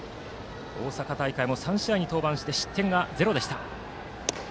大阪大会も３試合に登板し失点ゼロ。